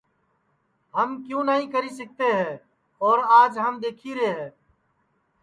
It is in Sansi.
ہم کیوں نائی کری سِکتے ہے اور آج ہم دِکھی رے ہے